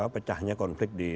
pecahnya konflik di